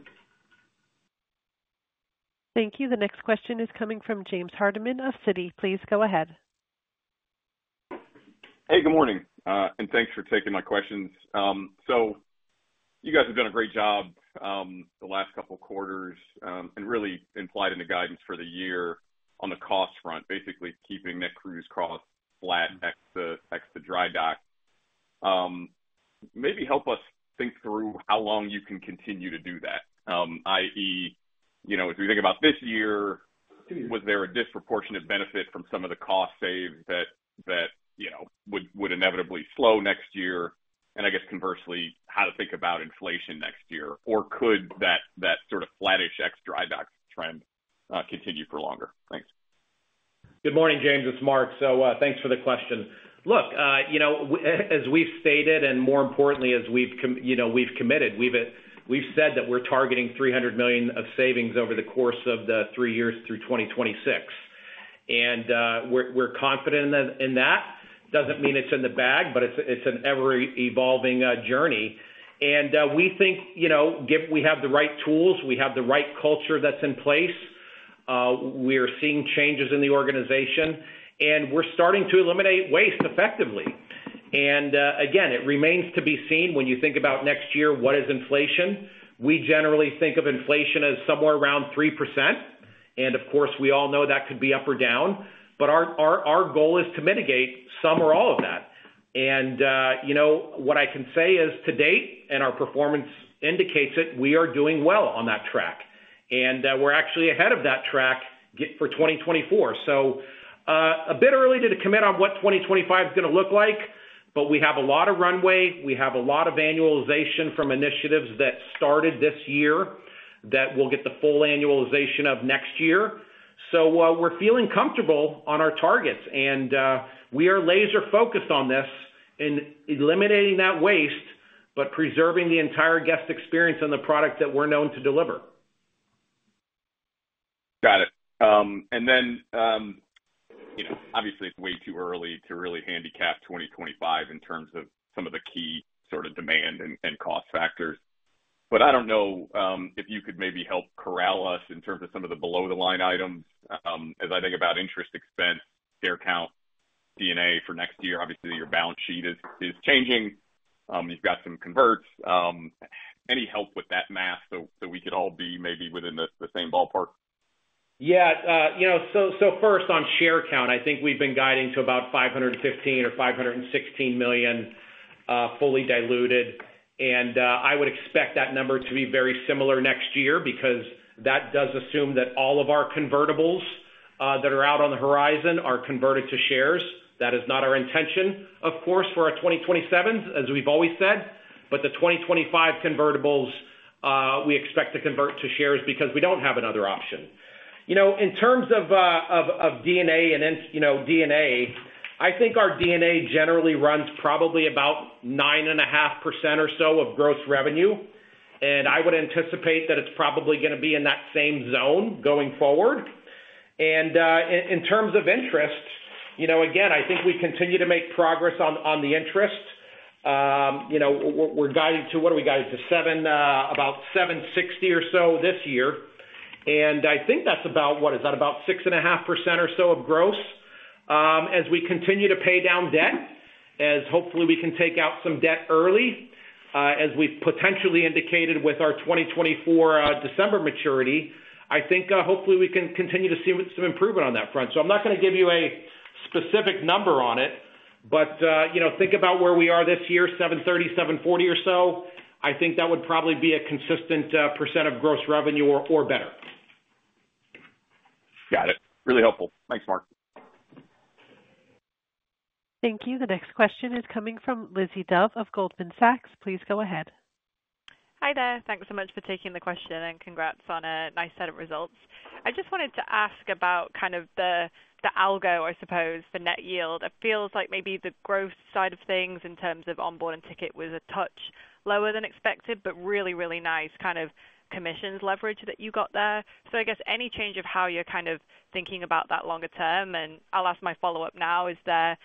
Thank you. The next question is coming from James Hardiman from Citi. Please go ahead. Hey, good morning. Thanks for taking my questions. So you guys have done a great job the last couple of quarters and really implied in the guidance for the year on the cost front, basically keeping net cruise costs flat next to Dry Dock. Maybe help us think through how long you can continue to do that, i.e., if we think about this year, was there a disproportionate benefit from some of the cost savings that would inevitably slow next year? And I guess conversely, how to think about inflation next year? Or could that sort of flattish ex-dry dock trend continue for longer? Thanks. Good morning, James. It's Mark. So thanks for the question. Look, as we've stated, and more importantly, as we've committed, we've said that we're targeting $300 million of savings over the course of the three years through 2026. And we're confident in that. Doesn't mean it's in the bag, but it's an ever-evolving journey. And we think we have the right tools. We have the right culture that's in place. We are seeing changes in the organization. And we're starting to eliminate waste effectively. It remains to be seen when you think about next year, what is inflation? We generally think of inflation as somewhere around 3%. Of course, we all know that could be up or down. But our goal is to mitigate some or all of that. What I can say is to date, and our performance indicates it, we are doing well on that track. We're actually ahead of that track for 2024. A bit early to commit on what 2025 is going to look like, but we have a lot of runway. We have a lot of annualization from initiatives that started this year that will get the full annualization of next year. We're feeling comfortable on our targets. We are laser-focused on this in eliminating that waste but preserving the entire guest experience and the product that we're known to deliver. Got it. And then obviously, it's way too early to really handicap 2025 in terms of some of the key sort of demand and cost factors. But I don't know if you could maybe help corral us in terms of some of the below-the-line items as I think about interest expense, share count, EBITDA for next year. Obviously, your balance sheet is changing. You've got some convertibles. Any help with that math so we could all be maybe within the same ballpark? Yeah. So first, on share count, I think we've been guiding to about 515 or 516 million fully diluted. And I would expect that number to be very similar next year because that does assume that all of our convertibles that are out on the horizon are converted to shares. That is not our intention, of course, for our 2027s, as we've always said. But the 2025 convertibles, we expect to convert to shares because we don't have another option. In terms of D&A and D&A, I think our D&A generally runs probably about 9.5% or so of gross revenue. And I would anticipate that it's probably going to be in that same zone going forward. And in terms of interest, again, I think we continue to make progress on the interest. We're guiding to what are we guiding to? About $760 million or so this year. And I think that's about what? Is that about 6.5% or so of gross? As we continue to pay down debt, as hopefully we can take out some debt early, as we've potentially indicated with our 2024 December maturity, I think hopefully we can continue to see some improvement on that front. So I'm not going to give you a specific number on it, but think about where we are this year, 730, 740 or so. I think that would probably be a consistent % of gross revenue or better. Got it. Really helpful. Thanks, Mark. Thank you. The next question is coming from Lizzie Dove of Goldman Sachs. Please go ahead. Hi there. Thanks so much for taking the question and congrats on a nice set of results. I just wanted to ask about kind of the algo, I suppose, the net yield. It feels like maybe the growth side of things in terms of onboard and ticket was a touch lower than expected, but really, really nice kind of commissions leverage that you got there. So I guess any change of how you're kind of thinking about that longer term? And I'll ask my follow-up now. Is there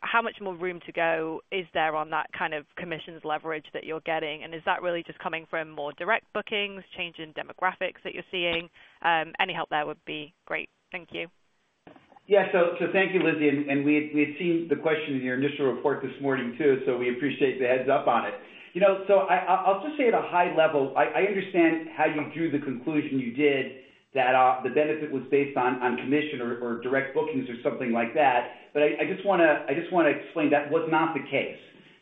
how much more room to go? Is there on that kind of commissions leverage that you're getting? And is that really just coming from more direct bookings, changing demographics that you're seeing? Any help there would be great. Thank you. Yeah. So thank you, Lizzie. And we had seen the question in your initial report this morning too, so we appreciate the heads-up on it. So I'll just say at a high level, I understand how you drew the conclusion you did that the benefit was based on commission or direct bookings or something like that. But I just want to explain that was not the case.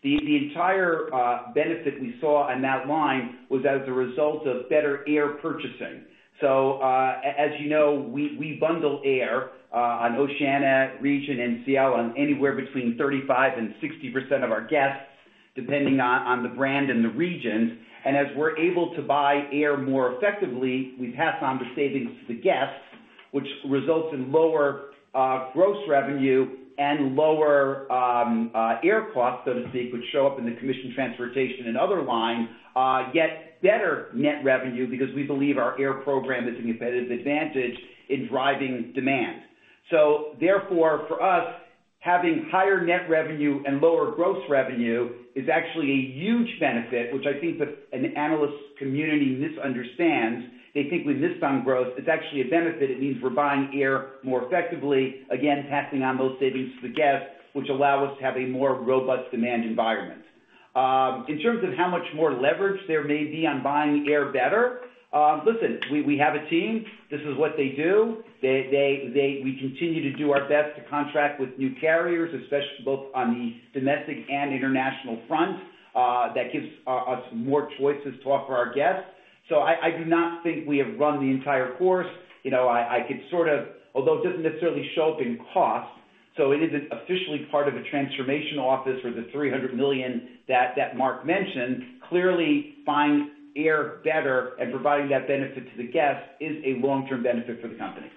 The entire benefit we saw on that line was as a result of better air purchasing. So as you know, we bundle air on Oceania, Regent Seven Seas on anywhere between 35%-60% of our guests, depending on the brand and the regions. As we're able to buy air more effectively, we pass on the savings to the guests, which results in lower gross revenue and lower air costs, so to speak, which show up in the commission transportation and other lines, yet better net revenue because we believe our air program is an advantage in driving demand. Therefore, for us, having higher net revenue and lower gross revenue is actually a huge benefit, which I think that an analyst community misunderstands. They think we missed on growth. It's actually a benefit. It means we're buying air more effectively, again, passing on those savings to the guests, which allow us to have a more robust demand environment. In terms of how much more leverage there may be on buying air better, listen, we have a team. This is what they do. We continue to do our best to contract with new carriers, especially both on the domestic and international front. That gives us more choices to offer our guests. So I do not think we have run the entire course. I could sort of, although it doesn't necessarily show up in cost, so it isn't officially part of the transformation office or the $300 million that Mark mentioned, clearly buying air better and providing that benefit to the guests is a long-term benefit for the company.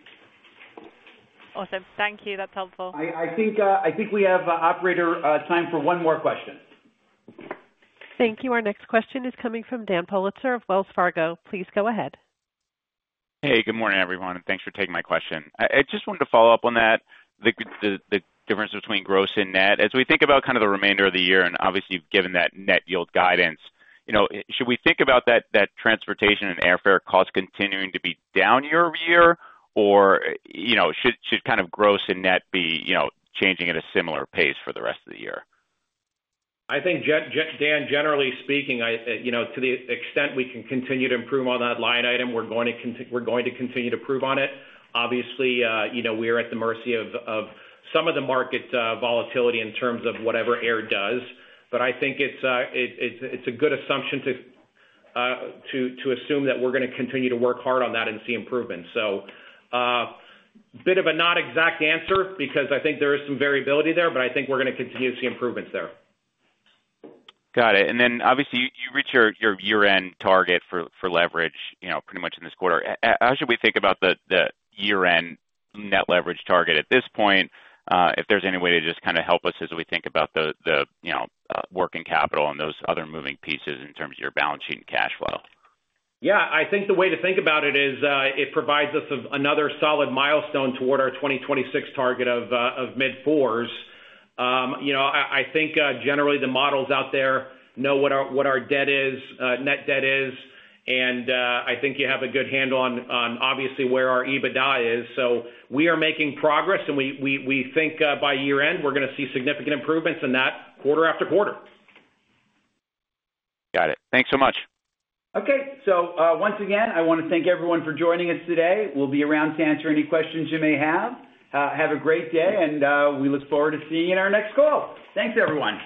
Awesome. Thank you. That's helpful. I think we have operator time for one more question. Thank you. Our next question is coming from Dan Politzer of Wells Fargo. Please go ahead. Hey, good morning, everyone. And thanks for taking my question. I just wanted to follow up on that, the difference between gross and net. As we think about kind of the remainder of the year, and obviously, you've given that net yield guidance, should we think about that transportation and airfare cost continuing to be down year-over-year, or should kind of gross and net be changing at a similar pace for the rest of the year? I think, Dan, generally speaking, to the extent we can continue to improve on that line item, we're going to continue to improve on it. Obviously, we are at the mercy of some of the market volatility in terms of whatever air does. But I think it's a good assumption to assume that we're going to continue to work hard on that and see improvements. So a bit of a not exact answer because I think there is some variability there, but I think we're going to continue to see improvements there. Got it. And then obviously, you reached your year-end target for leverage pretty much in this quarter. How should we think about the year-end net leverage target at this point, if there's any way to just kind of help us as we think about the working capital and those other moving pieces in terms of your balance sheet and cash flow? Yeah. I think the way to think about it is it provides us another solid milestone toward our 2026 target of mid-fours. I think generally the models out there know what our net debt is. And I think you have a good handle on, obviously, where our EBITDA is. So we are making progress. We think by year-end, we're going to see significant improvements in that quarter after quarter. Got it. Thanks so much. Okay. Once again, I want to thank everyone for joining us today. We'll be around to answer any questions you may have. Have a great day. And we look forward to seeing you in our next call. Thanks, everyone.